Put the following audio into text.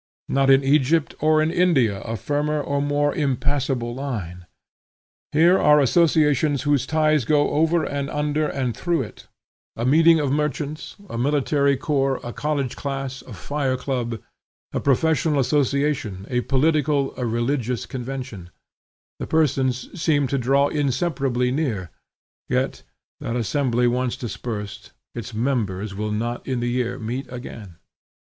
Not in Egypt or in India a firmer or more impassable line. Here are associations whose ties go over and under and through it, a meeting of merchants, a military corps, a college class, a fire club, a professional association, a political, a religious convention; the persons seem to draw inseparably near; yet, that assembly once dispersed, its members will not in the year meet again.